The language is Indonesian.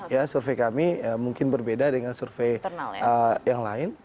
ya survei kami mungkin berbeda dengan survei yang lain